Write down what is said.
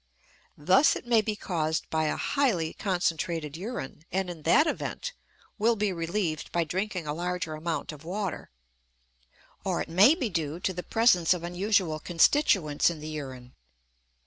Thus it may be caused by a highly concentrated urine, and in that event will be relieved by drinking a larger amount of water; or it may be due to the presence of unusual constituents in the urine.